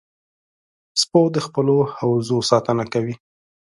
سپو د خپلو حوزو ساتنه کوي.